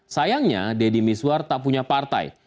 sayangnya deddy miswar tak punya partai